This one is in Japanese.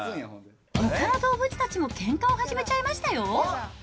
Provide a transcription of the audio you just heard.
ほかの動物たちもけんかを始めちゃいましたよ。